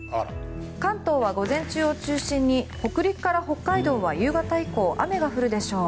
関東は午前中を中心に北陸から北海道は夕方以降雨が降るでしょう。